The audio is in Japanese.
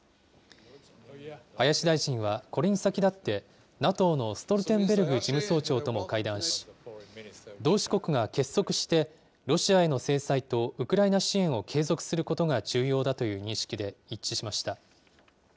林大臣はこれに先立って、ＮＡＴＯのストルテンベルグ事務総長とも会談し、同志国が結束してロシアへの制裁とウクライナ支援を継続することが重要だという認識で一致しました。